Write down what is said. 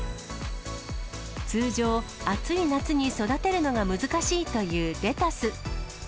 通常、暑い夏に育てるのが難しいというレタス。